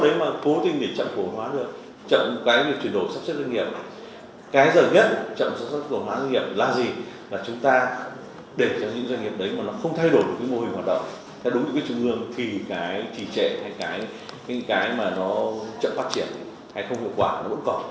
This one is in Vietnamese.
đúng như trung ương thì cái trì trệ hay cái mà nó chậm phát triển hay không hiệu quả nó vẫn còn